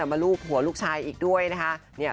มาลูบหัวลูกชายอีกด้วยนะคะ